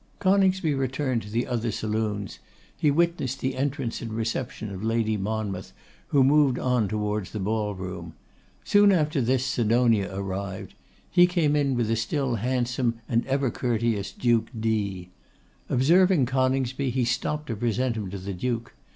Coningsby returned to the other saloons: he witnessed the entrance and reception of Lady Monmouth, who moved on towards the ball room. Soon after this, Sidonia arrived; he came in with the still handsome and ever courteous Duke D s. Observing Coningsby, he stopped to present him to the Duke.